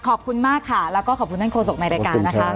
ขอบคุณมากค่ะแล้วก็ขอบคุณท่านโฆษกในรายการนะคะ